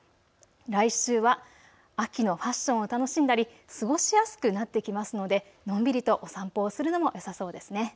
来週は秋のファッションを楽しんだり過ごしやすくなってきますのでのんびりとお散歩するのもよさそうですね。